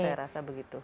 saya rasa begitu